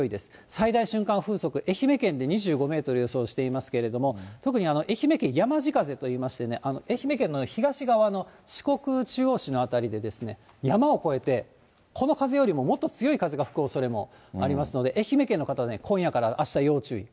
最大瞬間風速、愛媛県で２５メートル予想していますけれども、特に愛媛県、やまじ風といいましてね、愛媛県の東側の四国中央市の辺りで、山を越えて、この風よりももっと強い風が吹くおそれもありますので、愛媛県の方は今夜からあした要注意。